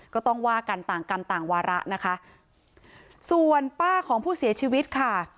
ก็ต้องว่ากันต่างกรรมต่างวาระนะคะส่วนป้าของผู้เสียชีวิตค่ะ